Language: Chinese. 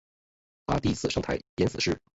她第一次上台是演死尸。